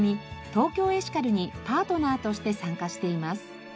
ＴＯＫＹＯエシカルにパートナーとして参加しています。